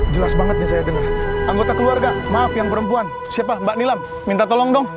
jelas banget nih saya dengar anggota keluarga maaf yang perempuan siapa mbak nilam minta tolong dong